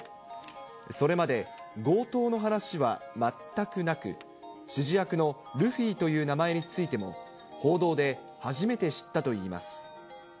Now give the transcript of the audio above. それまで強盗の話は全くなく、指示役のルフィという名前についても、報道で初めて知ったといいます。